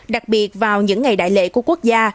đặc biệt vào những ngày đại lệ của quốc gia